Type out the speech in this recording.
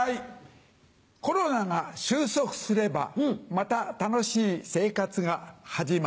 コロナが終息すればまた楽しい生活が始まる。